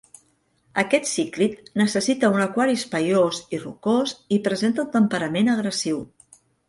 Aquest cíclid necessita un aquari espaiós i rocós i presenta un temperament agressiu.